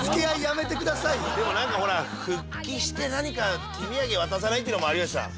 でも何かほら復帰して何か手土産渡さないっていうのも有吉さん。